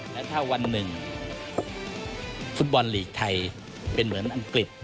และถ้าวันหนึ่งฟุตบอลลีกไทยเป็นเหมือนอังกฤษ